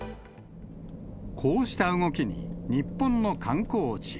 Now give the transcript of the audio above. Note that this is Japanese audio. こうした動きに、日本の観光地。